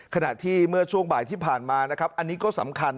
ขณะที่เมื่อช่วงบ่ายที่ผ่านมานะครับอันนี้ก็สำคัญ